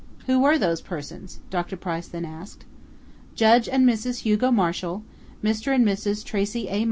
"Who were these persons?" Dr. Price then asked. "Judge and Mrs. Hugo Marshall, Mr. and Mrs. Tracey A.